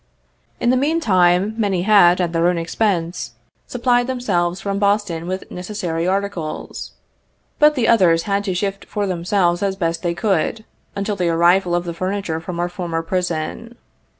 In the mean time, many had, at their own expense, supplied themselves from Boston with necessary articles, 8 56 but the others had to shift for themselves as they best could, until the arrival of the furniture from our former prison.